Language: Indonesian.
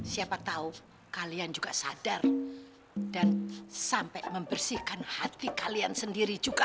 siapa tahu kalian juga sadar dan sampai membersihkan hati kalian sendiri juga